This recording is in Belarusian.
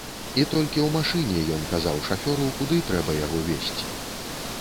І толькі ў машыне ён казаў шафёру, куды трэба яго везці.